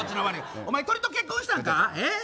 鳥と結婚したんか？